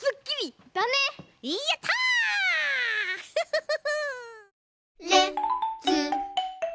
フフフフ！